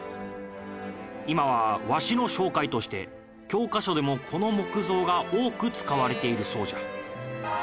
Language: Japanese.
今はわしの紹介として教科書でもこの木像が多く使われているそうじゃ。